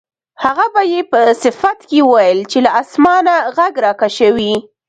هغه به یې په صفت کې ویل چې له اسمانه غږ راکشوي.